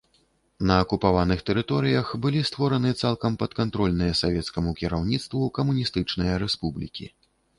На акупаваных тэрыторыях былі створаны цалкам падкантрольныя савецкаму кіраўніцтву камуністычныя рэспублікі.